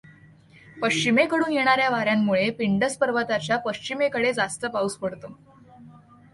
पश्चिमेकडून येणाऱ्या वाऱ्यांमुळे पिंडस पर्वताच्या पश्चिमेकडे जास्त पाउस पडतो.